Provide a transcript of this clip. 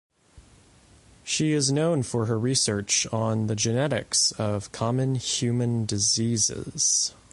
She is known for her research on the genetics of common human diseases.